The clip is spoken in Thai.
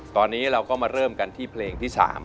ตอนนี้เราก็มาเริ่มกันที่เพลงที่๓